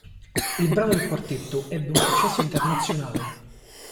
Il brano del Quartetto ebbe un successo internazionale.